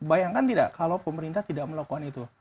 bayangkan tidak kalau pemerintah tidak melakukan itu